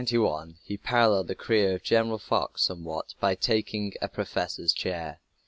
In 1891 he paralleled the career of General Foch somewhat by taking a professor's chair.